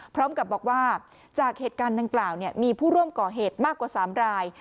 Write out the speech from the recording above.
พร้อมกับบอกว่าจากเหตุการณ์ดังกล่าวมีผู้ร่วมก่อเหตุมากกว่า๓ราย